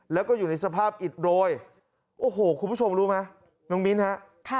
แล้วก็อยู่ในสภาพอิดโรยโอ้โหคุณผู้ชมรู้ไหมน้องมิ้นฮะ